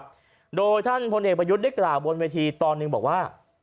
ที่ผ่านมานะครับโดยท่านพลเอกประยุทธิ์ดิกราบบนเวทีตอนหนึ่งบอกว่า